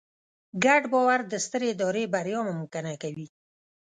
ګډ باور د سترې ادارې بریا ممکنه کوي.